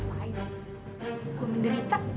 ayak gue menderita